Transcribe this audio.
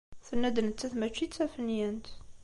Tenna-d nettat mačči d tafenyant.